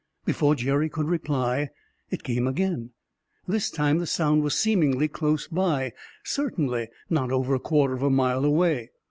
Before Jerry could reply, it came again. This time the sound was seemingly close by, certainly not over a quarter of a mile away.